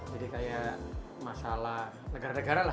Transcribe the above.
kayak masalah negara negara lah